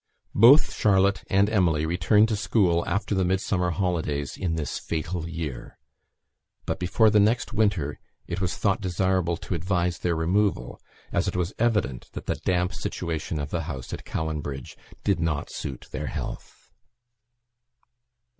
Both Charlotte and Emily returned to school after the Midsummer holidays in this fatal year. But before the next winter it was thought desirable to advise their removal, as it was evident that the damp situation of the house at Cowan Bridge did not suit their health.